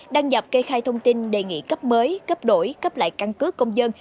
đăng nhập kê khai thông tin đề nghị cấp mới cấp đổi cấp lại căn cước công dân